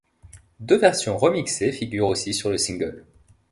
Deux version remixées figurent aussi sur le single.